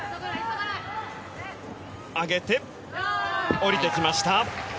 下りてきました。